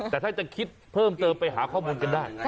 แต่ถ้าจะคิดเพิ่มเติมไปหาข้อมูลกันได้